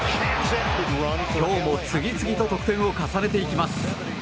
今日も次々と得点を重ねていきます。